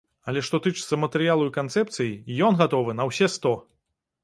Але, што тычыцца матэрыялу і канцэпцыі, ён гатовы на ўсе сто!